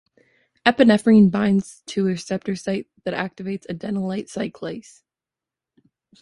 Epinephrine binds to a receptor protein that activates adenylate cyclase.